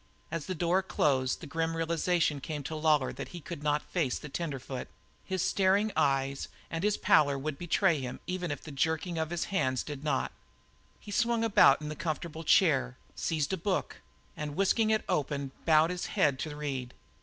As the door closed the grim realization came to Lawlor that he could not face the tenderfoot his staring eyes and his pallor would betray him even if the jerking of his hands did not. He swung about in the comfortable chair, seized a book and whisking it open bowed his head to read.